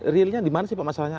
realnya dimana sih pak masalahnya